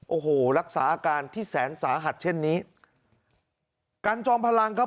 โอ้โหรักษาอาการที่แสนสาหัสเช่นนี้กันจอมพลังครับ